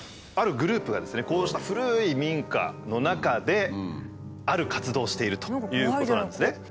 あるグループがですねこうした古い民家の中である活動をしているということなんですね。